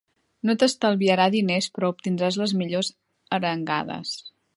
No t"estalviarà diners però obtindràs les millors arengades.